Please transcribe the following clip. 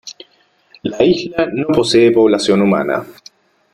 La isla no posee población humana.